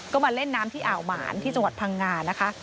ก็มาเล่นน้ำที่อ่าวหมานที่จังหวัดพังงานะคะ